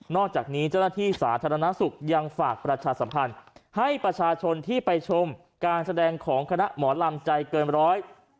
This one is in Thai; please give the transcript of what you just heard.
อกจากนี้เจ้าหน้าที่สาธารณสุขยังฝากประชาสัมพันธ์ให้ประชาชนที่ไปชมการแสดงของคณะหมอลำใจเกินร้อย